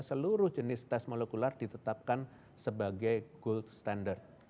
seluruh jenis tes molekuler ditetapkan sebagai gold standard